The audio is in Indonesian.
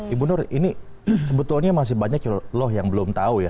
ibu nur ini sebetulnya masih banyak loh yang belum tahu ya